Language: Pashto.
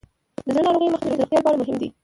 د زړه ناروغیو مخنیوی د روغتیا لپاره مهم دی.